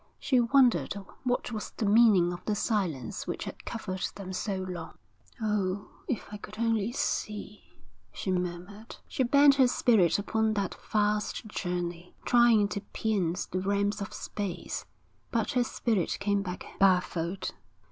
She wondered what was the meaning of the silence which had covered them so long. 'Oh, if I could only see,' she murmured. She sent her spirit upon that vast journey, trying to pierce the realms of space, but her spirit came back baffled.